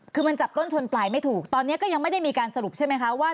คือมันจับต้นชนปลายไม่ถูกตอนนี้ก็ยังไม่ได้มีการสรุปใช่ไหมคะว่า